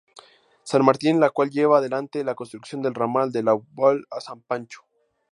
San Martín, la cual llevaba adelante la construcción del ramal de Laboulaye a Sampacho.